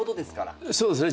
そうですね。